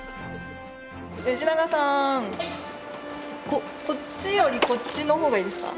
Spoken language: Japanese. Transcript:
こっちよりこっちのほうがいいですか？